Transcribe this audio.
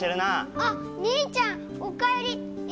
あっ、兄ちゃん、お帰り。